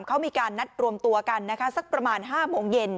เขามีการนัดรวมตัวกันนะคะสักประมาณ๕โมงเย็น